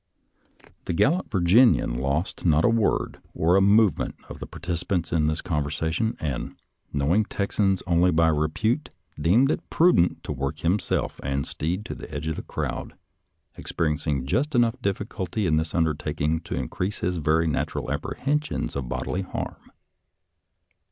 The gallant Virginian lost not a word or a INCIDENTS AT FREDERICKSBURG 97 movement of the participants in this conversa tion, and, knowing Texang only by repute, deemed it prudent to work himself and steed to the edge of the crowd, experiencing just enough difficulty in this undertaking to increase his very natural apprehensions of bodily harm.